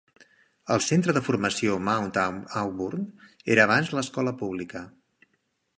El Centre de Formació Mount Auburn era abans l'escola pública.